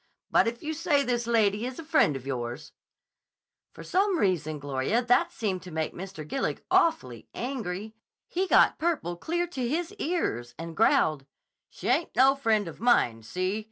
But if you say this lady is a friend of yours—' "For some reason, Gloria, that seemed to make Mr. Gillig awfully angry. He got purple clear to his ears, and growled, 'She ain't no friend of mine. See?